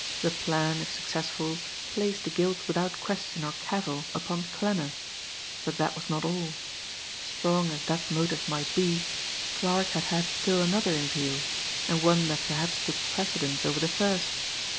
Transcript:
The plan, if successful, placed the guilt without question or cavil upon Klanner, but that was not all strong as that motive might be, Clarke had had still another in view, and one that perhaps took precedence over the first.